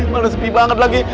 mana sepi banget lagi